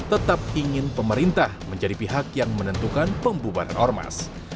tetap ingin pemerintah menjadi pihak yang menentukan pembubaran ormas